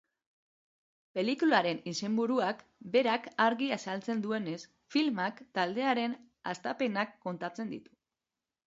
Pelikularen izenburuak berak argi azaltzen duenez, filmak taldearen hastapenak kontatzen ditu.